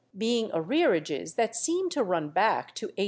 being arrearages that seem to run back to 1818.